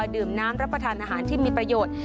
ดื่มน้ำรับประทานอาหารที่มีประโยชน์